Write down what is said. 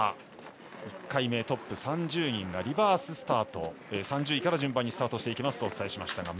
１回目トップ３０人がリバーススタートで３０位から順番にスタートしました。